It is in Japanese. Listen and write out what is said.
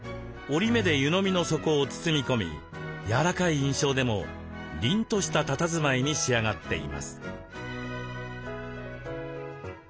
折り目で湯飲みの底を包み込み柔らかい印象でもりんとしたたたずまいに仕上がっています。